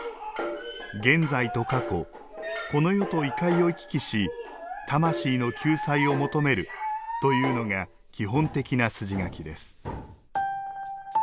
現在と過去この世と異界を行き来し魂の救済を求めるというのが基本的な筋書きです。